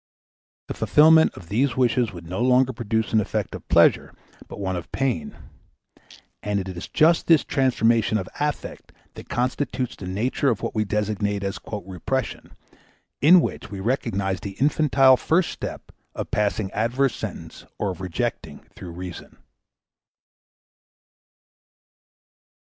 The fulfillment of these wishes would no longer produce an affect of pleasure but one of pain; _and it is just this transformation of affect that constitutes the nature of what we designate as "repression," in which we recognize the infantile first step of passing adverse sentence or of rejecting through reason_.